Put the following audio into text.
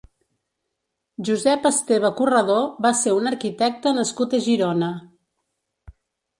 Josep Esteve Corredor va ser un arquitecte nascut a Girona.